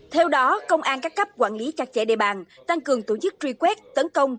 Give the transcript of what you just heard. theo đó công an các cấp quản lý chặt chẽ địa bàn tăng cường tổ chức truy quét tấn công